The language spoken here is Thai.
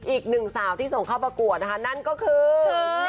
อีกหนึ่งสาวที่ส่งเข้าประกวดนะคะนั่นก็คือ